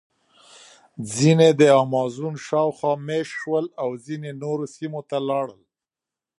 ځینې د امازون شاوخوا مېشت شول او ځینې نورو سیمو ته لاړل.